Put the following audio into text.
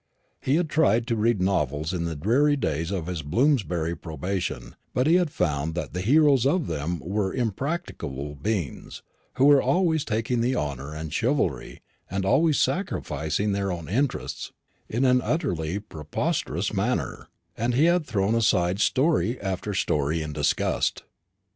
He had tried to read novels in the dreary days of his Bloomsbury probation; but he had found that the heroes of them were impracticable beings, who were always talking of honour and chivalry, and always sacrificing their own interests in an utterly preposterous manner; and he had thrown aside story after story in disgust.